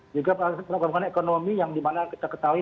juga ekonomi yang dimana kita ketahui